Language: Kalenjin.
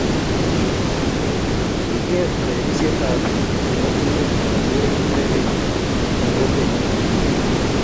Kikiet kaibisietab biik chebo tibin ana werin ichegei eng' kokwenyo